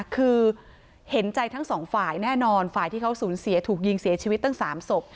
คือเห็นใจทั้งสองฝ่ายแน่นอนฝ่ายที่เขาสูญเสียถูกยิงเสียชีวิตตั้ง๓ศพ